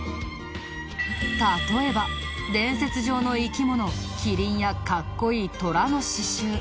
例えば伝説上の生き物麒麟やかっこいい虎の刺繍。